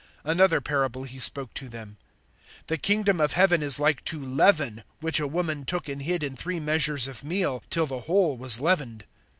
(33)Another parable he spoke to them: The kingdom of heaven is like to leaven, which a woman took and hid in three measures of meal, till the whole was leavened.